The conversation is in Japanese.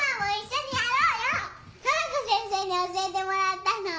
トラコ先生に教えてもらったの！